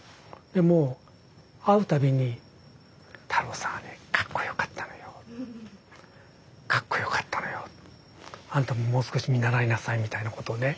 でも会う度に太郎さんはねかっこよかったのよかっこよかったのよあんたももう少し見習いなさいみたいなことをね